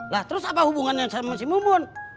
lah terus apa hubungannya sama si mumun